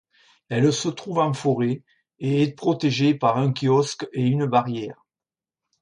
Elle se trouve en forêt, et est protégée par un kiosque et une barrière.